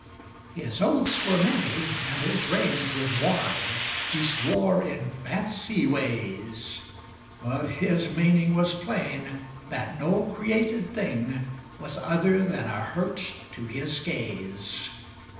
His oaths were many, and his range was wide, He swore in fancy ways; But his meaning was plain: that no created thing Was other than a hurt to his gaze.